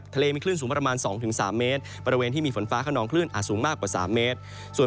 ทะเลมีคลื่นสูงประมาณ๒๓เมตรบริเวณที่มีฝนฟ้าขนองคลื่นอาจสูงมากกว่า๓เมตร